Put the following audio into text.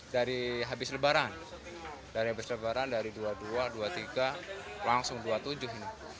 dari habis lebaran dari dua puluh dua dua puluh tiga langsung rp dua puluh tujuh